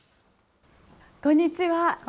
こんにちは。